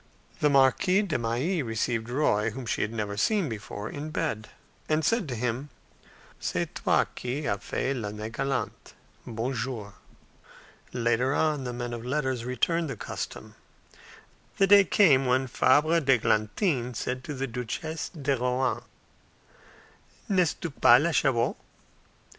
The Marquise de Mailly received Roy, whom she had never seen before, in bed, and said to him, "C'est toi qui as fait l'Année galante! Bonjour." Later on, the men of letters returned the custom. The day came when Fabre d'Eglantine said to the Duchesse de Rohan, "N'est tu pas la Chabot?"